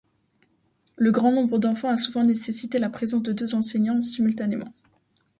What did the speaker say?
Le grand nombre d'enfants a souvent nécessité la présence de deux enseignants simultanément.